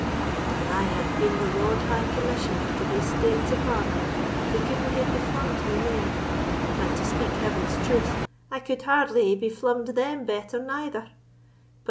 God, an I had been the Lord High Commissioner to the Estates o' Parliament, they couldna hae beflumm'd me mair; and, to speak Heaven's truth, I could hardly hae beflumm'd them better neither!